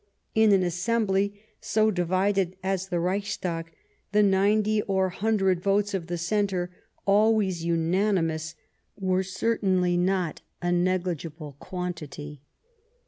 In an assembly so divided as the Reichstag, the ninety or hundred votes of the Centre, always unanimous, were cer tainly not a neghgible quantity.